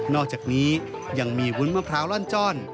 อกจากนี้ยังมีวุ้นมะพร้าวร่อนจ้อน